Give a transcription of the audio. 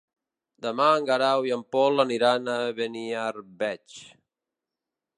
Demà en Guerau i en Pol aniran a Beniarbeig.